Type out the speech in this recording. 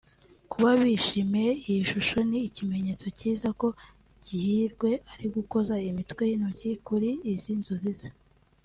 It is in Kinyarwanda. Kuba bishimiye iyi shusho ni ikimenyetso cyiza ko Girihirwe ari gukoza imitwe y’intoki kuri izi nzozi ze